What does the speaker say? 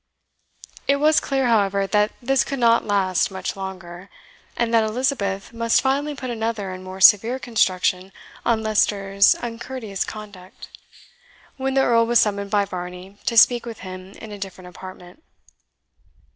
It was clear, however, that this could not last much longer, and that Elizabeth must finally put another and more severe construction on Leicester's uncourteous conduct, when the Earl was summoned by Varney to speak with him in a different apartment.